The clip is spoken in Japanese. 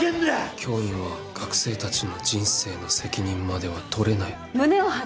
教員は学生たちの人生の責任までは取れない。